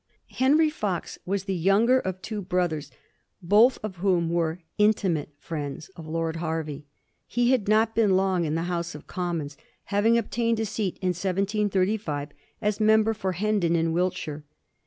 Henry Fox was the younger of two brothers, both of whom were intimate friends of Lord Hervey. He had not been long in the House of Commons, having obtained a seat in 1735, as member for Hendon, in Wiltshire.